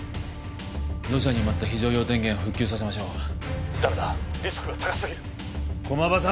土砂に埋まった非常用電源を復旧させましょうダメだリスクが高すぎる駒場さん！